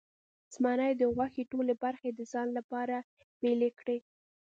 زمري د غوښې ټولې برخې د ځان لپاره بیلې کړې.